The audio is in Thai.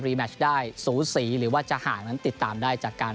แมชได้สูสีหรือว่าจะห่างนั้นติดตามได้จากการ